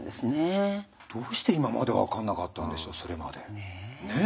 どうして今まで分かんなかったんでしょうそれまで。